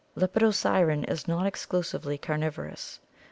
Lepidosiren is not exclusively carnivorous.